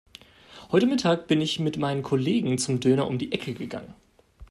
Heute Mittag bin ich mit meinen Kollegen zum Döner um die Ecke gegangen.